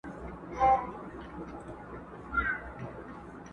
نه به ډزي وي، نه لاس د چا په وینو٫